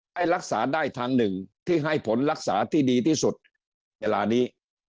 ให้รักษาได้ทางหนึ่งที่ให้ผลรักษาที่ดีที่สุดในเวลานี้